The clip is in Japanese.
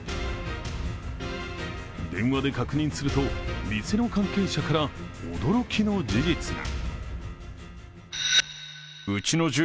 電話で確認すると、店の関係者から驚きの事実が。